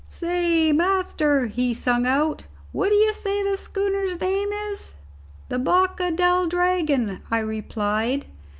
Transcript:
"Say, master," he sung out, "what d'ye say the schooner's name is?" "The Boca del Dragon," I replied.